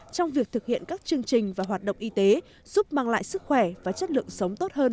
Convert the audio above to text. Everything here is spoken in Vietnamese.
trong việc thực hiện các chương trình và hoạt động y tế giúp mang lại sức khỏe và chất lượng sống tốt hơn